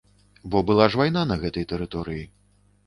Бо была ж вайна на гэтай тэрыторыі.